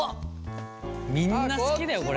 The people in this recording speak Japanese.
みんな好きだよこれ。